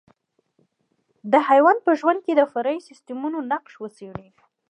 په حیوان په ژوند کې د فرعي سیسټمونو نقش وڅېړئ.